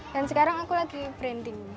dan sekarang aku lagi branding